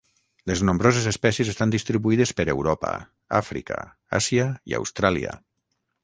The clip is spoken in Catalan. Les nombroses espècies estan distribuïdes per Europa, Àfrica, Àsia i Austràlia.